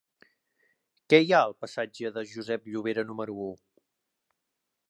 Què hi ha al passatge de Josep Llovera número u?